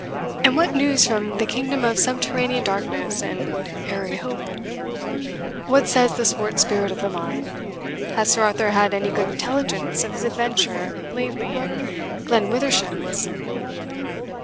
And what news from the kingdom of subterranean darkness and airy hope? What says the swart spirit of the mine? Has Sir Arthur had any good intelligence of his adventure lately in Glen Withershins?"